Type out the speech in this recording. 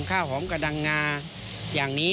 ข้าวหอมกระดังงาอย่างนี้